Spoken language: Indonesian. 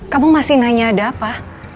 kamu masih nanya ada apa